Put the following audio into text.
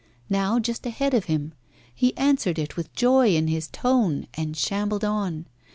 Now just ahead of him. He answered it with joy in his tone and shambled on.